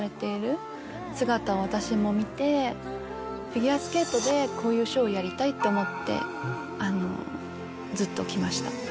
フィギュアスケートでこういうショーをやりたいと思ってずっときました。